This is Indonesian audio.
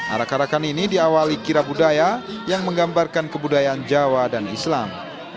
arak arakan ini diawali kira budaya yang menggambarkan kebudayaan jawa dan islam